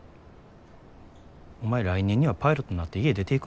お前来年にはパイロットになって家出ていくんやろ。